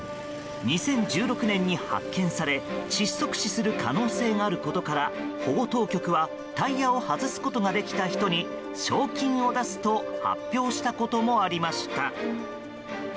２０１６年に発見され窒息死する可能性があることから保護当局はタイヤを外すことができた人に賞金を出すと発表したこともありました。